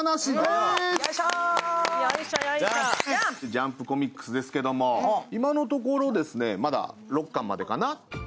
ジャンプコミックスですけども、今のところまだ６巻までかな。